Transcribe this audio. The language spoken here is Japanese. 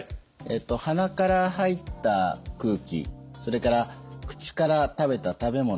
鼻から入った空気それから口から食べた食べ物